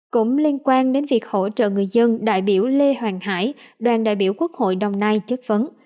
cũng liên quan đến việc hỗ trợ người dân đại biểu lê hoàng hải đoàn đại biểu quốc hội đồng nai chất vấn